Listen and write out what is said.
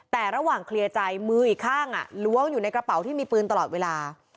แต่ระหว่างเคลียร์ใจมืออีกข้างล้วงอยู่ในกระเป๋าที่มีปืนตลอดเวลา